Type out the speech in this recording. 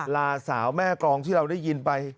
ลาสาวแม่กรองที่เราได้ยินไป